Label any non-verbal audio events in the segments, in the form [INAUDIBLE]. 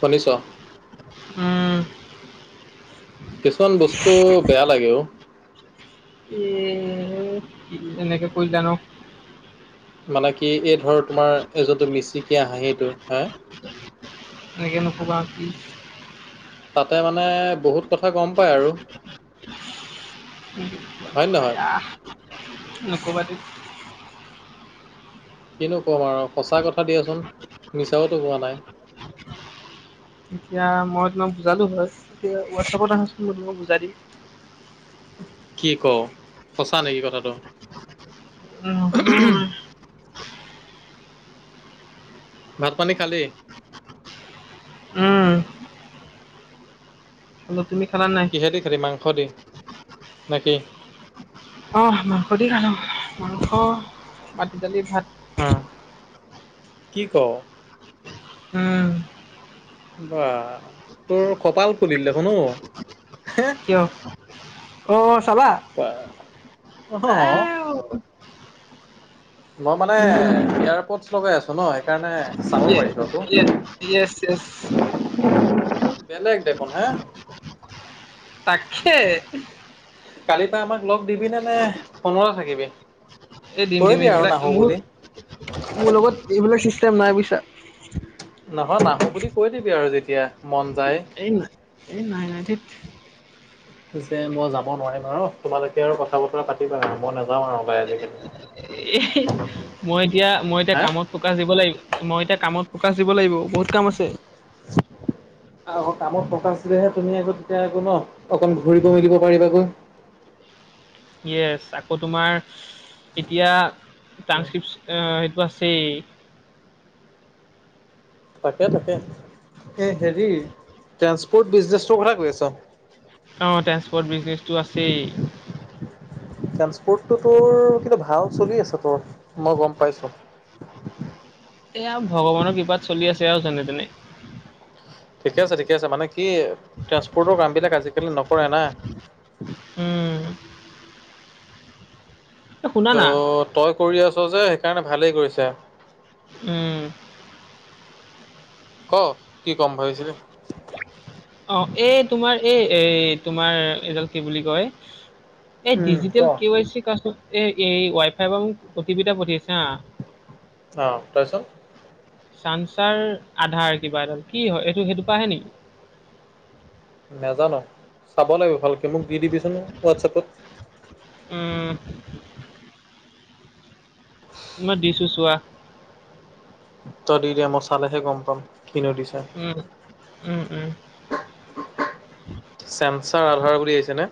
শুনিছ। উম, কিছুমান বস্তু বেয়া লাগে অ। এ কে এনেকে কৰিলা ন, মানে কি, এই ধৰ তোমাৰ এ যোনটো মিচিকীয়া হাঁহিটো, হাঁ! এনেকে নকবা, প্লিজ। তাতে মানে বহুত কথা গম পাই আৰু। হয় নে নহয়? নকবা দেই। কিনো ক'ম আৰু সঁচা কথা দিয়াচোন, মিছাওতো কোৱা নাই। এতিয়া মই তোমাক বুজালো হয়, এতিয়া হোৱাটছআপত আহাচোন মই তোমাক বুজাই দিম। কি কও, সঁচা নেকি কথাটো? নহয়। ভাত পানী খালি? উম খালো, তুমি খালা নে নাই? কিহেদি খালি মাংস দি, নে কি? অঁ' মাংস দি খালো, মাংস মাটি দালি ভাত। অঁ' কি কও? উম' বা তোৰ কপাল ফুলিল দেখোন অও। কিয়? অ' চাবা, বা এ অ' ও। মই মানে এয়াৰপৰ্টছ লগাই আছো ন, সেইকাৰণে- চাব ইয়েচ পাৰিছো আকৌ। Yes yes yes. বেলেগ দেখোন হাঁ। তাকে। কালি পা আমাক লগ দিবি নে নে ফোনতে থাকিবি? এই দিম কৈ দিম দিয়া আৰু এইবিলাক নাহো মোৰ বুলি। মোৰ লগত এইবিলাক চিষ্টেম নাই বুইছা। নহয় নাহো বুলি কৈ দিবি আৰু যেতিয়া মন যায়। এই নাই এই নাই নাই। থেইত। যে মই যাব নোৱাৰিম আৰু তোমালোকে আৰু কথা বতৰা পাতিবা আৰু মই নাযাওঁ আৰু ওলাই আজিকালি। এএ হেই। মই এতিয়া মই এতিয়া হা কামত ফকাচ দিব লাগিব মই এতিয়া কামত ফকাচ দিব লাগিব, বহুত কাম আছে। [INAUDIBLE] আৰু কামত ফকাচ দিলেহে তুমি আকৌ তেতিয়া আকৌ ন অকন ঘূৰিব মেলিব পাৰিবাগৈ। য়েছ আকৌ তোমাৰ এতিয়া ট্ৰাসক্ৰিপচ অঁ সেইটো আছেই। তাকে তাকে, এ হেৰি ট্ৰেন্সপৰ্ট বিজনেটোৰ কথা কৈ আছ? অঁ' ট্ৰেন্সপৰ্ট বিজনেছটো আছেই। ট্ৰান্সপোৰ্টটো তোৰ কিন্তু ভাল চলি আছে তোৰ, মই গম পাইছো। এয়া ভগৱানৰ কৃপাত চলি আছে আৰু যেনে তেনে। ঠিকে আছে ঠিকে আছে। মানে কি ট্ৰেন্সপৰ্টৰ কামবিলাক আজিকালি নকৰে না। উম এ শুনা ত' না তই কৰি আছ যে সেইকাৰণে ভালেই কৰিছা। উম' ক কি কম ভাবিছিলি? অঁ' এই তোমাৰ এই এই তোমাৰ এইডাল কি বুলি কয়? এই উম ক। ডিজিটেল কে ৱাই চিৰ কাত এ ৱাই ফাইৰ পৰা মোক অটি পি এটা পঠিয়াইছে হাঁ, - অঁ' তাৰপিছত, - চানসাৰ আধাৰ কিবা এডাল, কি হয়? এইটো সেইটো পা আহে নি? নেজানো। চাব লাগিব ভালকে, মোক দি দিবিচোন হোৱাটছএপত। উম'। [INAUDIBLE] মই দিছো চোৱা। ত দি দিয়া মই চালেহে গম পাম। কিনো দিছা। উম, উম উম। চেন্ঞ্চাৰ আধাৰ বুলি আহিছে ন।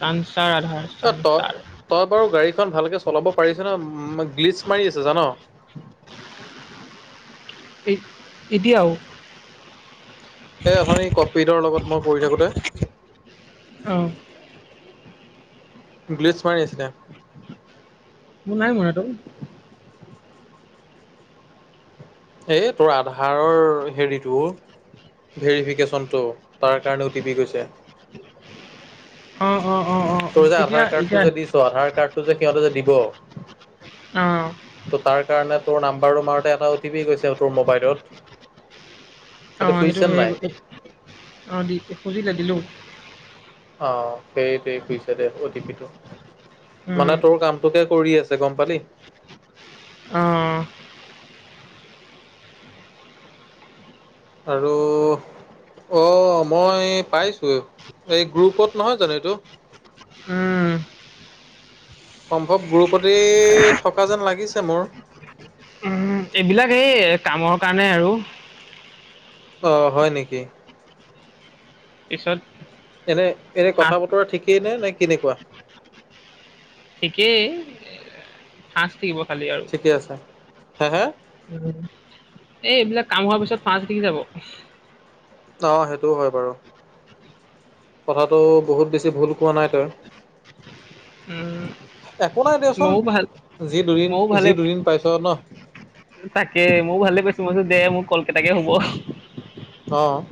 চানচাৰ আধাৰ। অ', চানচাৰ তই-তই বাৰু গাড়ীখন ভালকে চলাব পাৰিছনে? গ্লিচ মাৰি আছে জান'। এই এতিয়াও এই অথনি কপিতৰ লগত মই বহি থাকোতে অ'। গ্লিছ মাৰি আছিলে। মোৰ নাই মৰাটো। এই তোৰ আধাৰৰ হেৰিটো অ'। ভেৰিফিকেশ্যনটো, তাৰ কাৰণে অ টি পি গৈছে। অ', অ', অ'। অ তোৰ যে এতিয়া আধাৰ কাৰ্ডটো এতিয়া যে দিছ, আধাৰ কাৰ্ডটো যে সিহঁতে যে দিব অ'। ত' তাৰ কাৰণে তোৰ নাম্বাৰটো মাৰোতে এটা অ'টি পি গৈছে তোৰ মোবাইলত। সেইটো অ', খুজিছে সেইটোহে নাই অ', দি খুজিলে দিলো। অ', সেইটোৱে খোজিছে দে, অ টি পি টো উম মানে তোৰ কাম তোকে কৰি আছে গম পালি? অ'। আৰু অ', মই পাইছোৱে এই গ্ৰুপত নহয় জানো এইটো। উম। সম্ভৱ মোৰ ওপৰতেই থকা যেন লাগিছে মোৰ। উ, এইবিলাক এই কামৰ কাৰণে আৰু। অ', হয় নেকি? পিছত এনে, এনে কথা সাজ বতৰা ঠিকেই নে নাই কেনেকুৱা? ঠিকেই, [UNINTELLIGIBLE] থাকিব খালি আৰু। ঠিকে আছে, হে, হা। এই এইবিলাক কাম হোৱাৰ পিছত পাঁচতিকি যাব। অ', সেইটোও হয় বাৰু। কথাাটো বহুত বেছি ভুল কোৱা নাই তই। উম একো নাই দিয়চোন, ময়ো ভাল যি দুদিন, ময়ো ভালে যি দুদিন পাইছ ন। তাকে ময়ো ভালে পাইছো মইছো দে মোৰ কলকটাকে হ'ব। অ',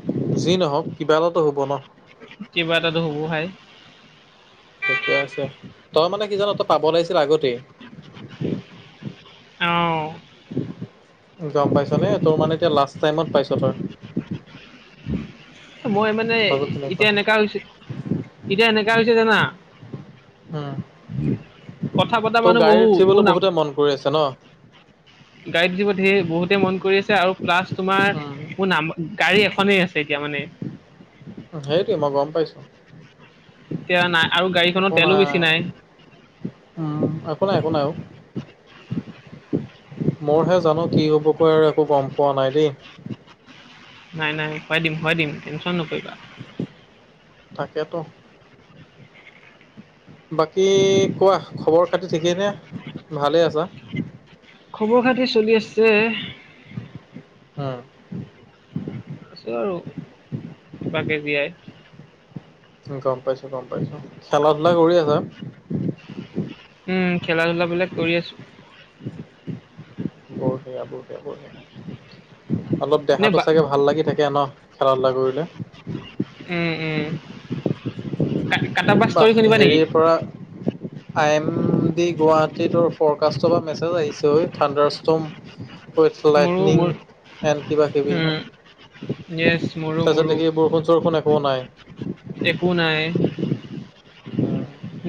যি নহওক কিবা এটাতো হ'ব ন। কিবা এটাতো হবো ভাই। ঠিকে আছে, তই মানে কি জান তই পাব লাগিছিল আগতে। অ গম পাইছ নে? তোৰ মানে এতিয়া লাষ্ট টাইমত পাইছ তই। মই মানে, কথাটো তেনেকুৱা এতিয়া হয়। এনেকা হৈছে, এতিয়া এনেকা হৈছে জানা? উম, কথা পতা তৌ মানুহ গাড়ীত বহুত মোৰ উঠিবলৈ নাম বহুতে মন কৰি আছে ন। গাৰিত উঠিব সে বহুতে মন কৰি আছে আৰু প্লাছ তোমাৰ, উম মোৰ নাম গাড়ী এখনেই আছে এতিয়া মানে। সেইটোৱে মই গম পাইছো। এতিয়া নাই, আৰু গাড়ীখনৰ তেলো বেছি নাই। উম, একো নাই-একো নাই। মোৰহে জানো কি হ'ব কৈ আৰু একো গম পোৱা নাই দেই। নাই-নাই হোৱাই দিম - হোৱাই দিম, টেনশন নকৰিবা। তাকেতো। বাকী কোৱা খবৰ খাতি ঠিকেইনে ভালে আছা? খবৰ-খাতি চলি আছে। উম, আছো আৰু কিবাকে জীয়াই। গম পাইছো-গম পাইছো খেলা ধূলা কৰি আছা? উম, খেলা-ধূলাাবলাক কৰি আছো। বঢ়িয়া - বঢ়িয়া - বঢ়িয়া। অলপ নে দেহাতটো বা চাগে ভাল লাগি থাকে ন খেলা ধূলা কৰিলে? উম-উম কাট বা বাহ ষ্টৰি শুনিবা নেকি? হেৰিৰ পৰা আই এম ডি গুৱাহাটীটোৰ ফৰকাষ্টৰ বা মেছেজ আহিছে ঐ থঠাণ্ডাৰ ষ্টম। মোৰো লাইটনিং মোৰ এন কিবা-কিবি। উম, য়েছ মোৰো তাৰপিছত মোৰো দেখি বৰষুণ চৰষুণ একো নাই। একো নাই।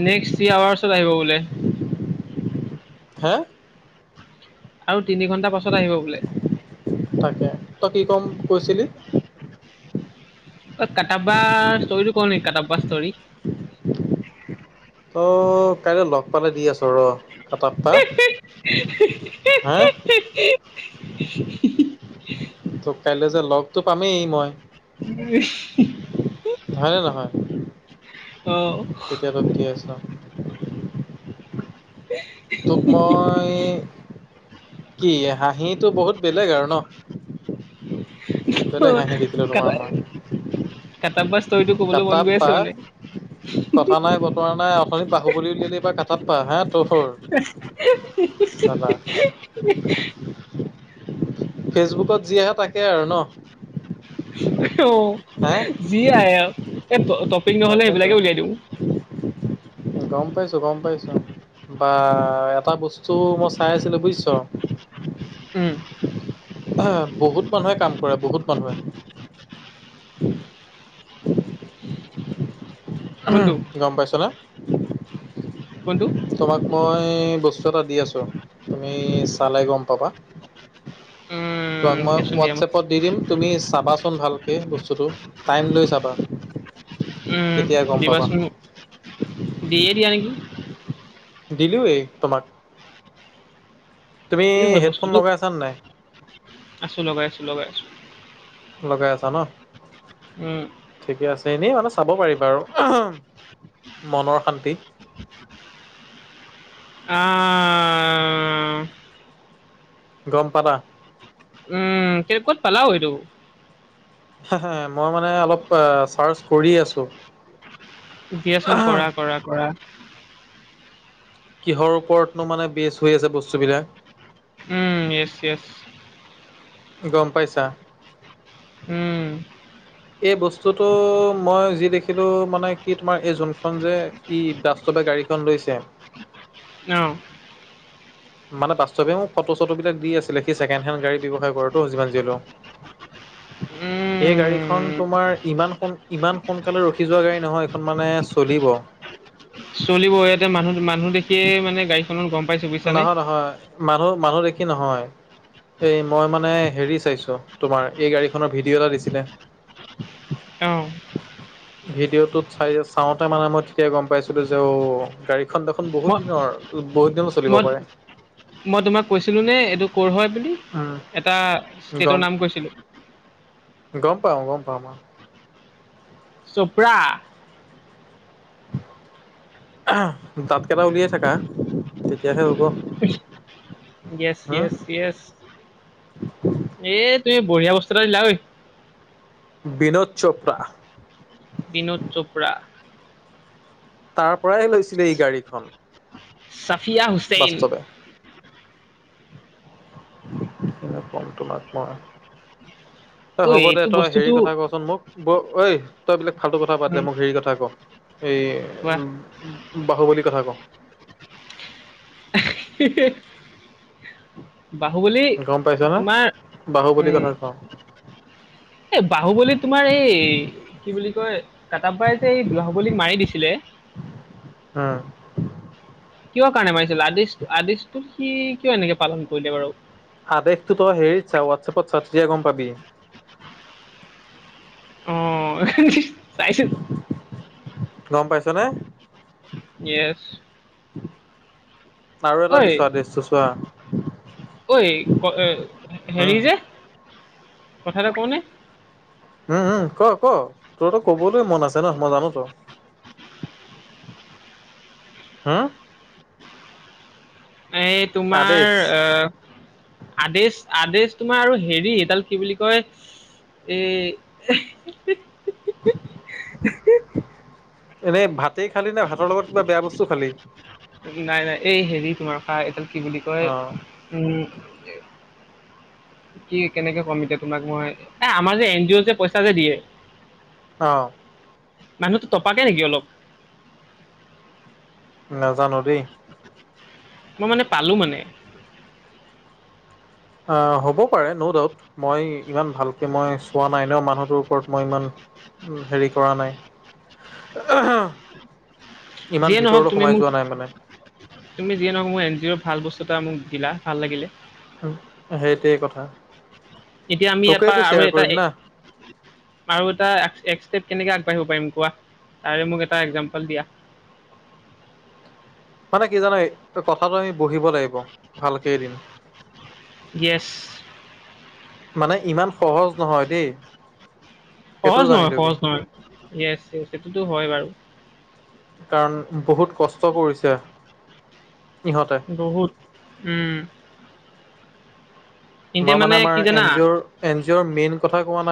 নেক্সট থ্ৰী আৱাৰ্চত আহিব বোলে। হা? আৰু তিনি ঘণ্টা পাছত আহিব বোলে। তাকে, তই কি ক'ম কৈছিলি? কাটাবা ষ্টৰি টো কও নেকি কাটাবা ষ্টৰি। ত' কাইলৈ লগ পালে দি আছোঁ ৰ কাটাপ পা হা ত, কাইলৈ যে লগতটো পামেই মই। হয়নে নহয়? অ, তেতিয়াতঠ আছ তোক মই, কি হাঁহিটো বহুত বেলেগ আৰু ন। বেলেগ হাহি দি কটা বছ [UNINTELLIGIBLE] কটাপা কথা নাই বতৰা নাই অথনি পাহু ল উলিয়ালে এইবাৰ কটপা হা তহৰ চাদা [UNINTELLIGIBLE] ফেচবুকত যি আহে তাকে আৰু ন? অ, যি আহে এ তাকেইতো। [UNINTELLIGIBLE] গম পাইছো - গম পাইছো বা এটা বস্তু মই চাই আছিলো বুজিছ? উম, বহুত মানুহে কাম কৰে বহুত মানুহে। উম, কোনটো গম পাইছনে? কোনটো তোমাক মই বস্তু এটা দি আছোঁ তুমি চালে গম পাবা। তাক উম, মই দিয়াচোন দিয়া মোক হোৱাটছএপত দি দিম। তুমি চাবাচোন ভালকৈ বস্তুটো টাইম লৈ চাবা। উম, তেতিয়া গম পাবা দিবাচোন মোক দিয়ে দিয়া নেকি? দিলোওৱ তোমাক। তুমি কি হয় হেডফোন বস্তুটো লগাই আছা নে নাই আছো লগাই লগাইছোঁ লগাই আছা ন উম ঠিকে আছে এনেই মানে চাব পাৰিবা আৰু মনৰ শান্তি অ গম পালা উম ক'ত পালাও এইটো মই মানে অলপ চাৰ্চ কৰি আছো দিয়াচোন কৰা কৰা কৰা কিহৰ ওপৰতনো মানে বেচ হৈ আছে বস্তুবিলাক উম ইয়েছ ইয়েছ গম পাইছা উম এই বস্তুটো মই যি দেখিলোঁ মানে কি তোমাৰ এই যোনখন যে ই বাস্তৱে গাড়ীখন লৈছে নৌ মানে বাস্তৱে মোক ফটো চটোবিলাক দি আছিলে সি চেকেণ্ড হেণ্ড গাড়ী ব্যৱায়াৰ কৰে টো যিমান যি সলেও। এই গাড়ীখন উম তোমাৰ ইমান সোন ইমান সোনকালে ৰখি যোৱা গাড়ী নহয় এইখন মানে চলিব চলিব ইয়াতে মানুহ মানুহ দেখিয়ে মানে গাড়ীখনত গম পাইছো বুজিছানে নহয় নহয় মানুহ মানুহ দেখি নহয় এই মই মানে হেৰি চাইছো তোমাৰ এই গাড়ীখনৰ ভিডিঅ' এটা দিছিলে অ ভিডিঅ'টোত চাই চাওঁতে মানে মই তেতিয়া গম পাইছিলো যে অ গাড়ী এখন দেখোন বহুত মই দিনৰ বহুত দিনৰ পৰা চলি মই মই তোমাক কৈছিলোঁনেে এইটো ক'ৰ হয় বুলি উম, এটা ষ্টেটৰ গম, নাম কৈছিলো গম পাওঁ গম পাওঁ ম চোপৰা দাঁত কেইটা উলিয়াই থাককা তেতিয়াহে হ'ব ইয়েছ হম ইয়েছ ইয়েছ এ তুমি বঢ়িয়া বস্তু এটা দিলা ঐ বিনোদ চোপ্ৰা বিনোদ চোপ্ৰা তাৰ পৰাইহে লৈছিলে এই গাড়ীখন চাফীয়া হুছেইন বাস্তৱে কিনো কম তোমাক মই এ ঐ হ'ব দে এইটো তই হেৰি বস্তুটো কথা কচোন মোক ব ঐ তই এবিলাক ফাল্তু কথা বাদ দে উম, মোক হেৰি কথা ক এই কোৱা উ বাহু বলি কথা ক [INAUDIBLE] বাহুবলী গম পাইছনে তোমাৰ বাহুবলীৰ উম', কথা ক এই বাহুবলীত তোমাৰ এই কি বুলি কয় কাটাপাই যে এই বাহুবলীক মাৰি দিছিলে। উম কিহৰ কাৰণে মাৰিছিল আদেশ আদেশটো সি কিয় এনেকে পালন কৰিলে বাৰু আদেশতো তই হেৰিত ছা হোৱাটছএপত চা তেতিয়া গম পাবি অ হ। চাইছো। গম পাইছ নে। ইয়েচ। আৰু ঐ এটা দিছোৱা ডছটো চোৱা। ঐ ক হেৰি উম যে কথা এটা কওঁনে। উম হম ক ক তোৰ তো কবলৈ মন আছে ন মই জানো ত। হম এই তোমাৰ আদেশ অ। আদেশ আদেশ তোমাৰ আৰু হেৰি এইডাল কি বুলি কয়। এই। এনেই ভাতেই খালি নে ভাতৰ লগত কিবা বেয়া বস্তু খালি। নাই নাই এই হেৰি তোমাৰ খা এডাল কি বুলি কয় অ উম। [INAUDIBLE] কি কেনেকে কম এতিয়া তোমাক মই এ আমাৰ যে এন জি অ' যে পইচা যে দিয়ে। অ। মানুহটো তপাক নেকি অলপ। নাজানো দেই। মই মানে পালোঁ মানে। অ হ'ব পাৰে ন ডাউট মই ইমান ভালকে মই চোৱা নাই ন মানুহটোৰ ওপৰত মই ইমান। উ হেৰি কৰা নাই আ হা। যিয়ে ইমান নহওক ভিতৰতো তুমি সোমাই মোক যোৱা নাই মানে। তুমি যিয়ে নহক মোৰ এন জি অৰ ভাল বস্তু এটা মোক দিলা ভাল লাগিলে। সেইটোৱেই কথা। এতিয়া আমি এটা তোকেইটো আৰু শ্বেয়াৰ এটা। কৰিম না আৰু এটা এক ষ্টেপ কেনেকে আগবাঢ়িব পাৰিম কোৱা। তাৰে মোক এটা এক্জাম্পল দিয়া। মানে কি জানো কথাটো আমি বহিব লাগিব ভালকেই দিন। কেছ। মানে ইমান সহজ নহয় দেই। সহজ সেইটোও জানি নহয় লবি সহজ নহয় য়েছ য়েছ এইটোতো হয় বাৰু। কাৰণ বহুত কষ্ট কৰিছে ইহঁতে। বহুত উম। তেন্তে মই মানে আমাৰ কি এন জানা জি অৰ এন জি অ'ৰ মেইন কথা কোৱা নাই।